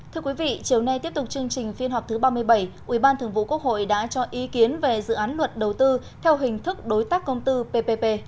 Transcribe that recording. thưa quý vị chiều nay tiếp tục chương trình phiên họp thứ ba mươi bảy ubthqh đã cho ý kiến về dự án luật đầu tư theo hình thức đối tác công tư ppp